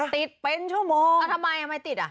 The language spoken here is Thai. ติดเป็นชั่วโมง